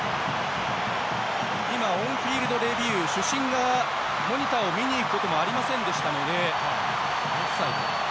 今オンフィールドレビュー主審がモニターを見に行くこともありませんでしたので。